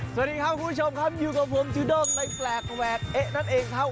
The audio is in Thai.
สวัสดีครับคุณผู้ชมครับอยู่กับผมจูด้งในแปลกแหวกเอ๊ะนั่นเองครับ